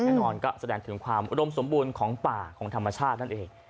แน่นอนก็แสดงถึงความอุดมสมบูรณ์ของป่าของธรรมชาตินั่นเอง